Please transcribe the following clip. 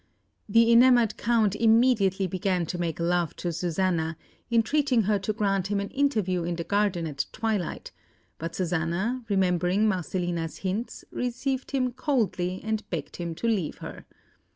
The enamoured Count immediately began to make love to Susanna, entreating her to grant him an interview in the garden at twilight; but Susanna, remembering Marcellina's hints, received him coldly, and begged him to leave her.